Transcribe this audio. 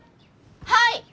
・はい！